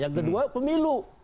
yang kedua pemilu